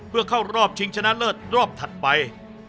เพื่อเข้ารอบชิงชนะเลิศรอบถัดไป